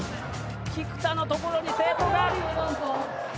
菊田のところに生徒が！